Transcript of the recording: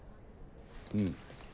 うん。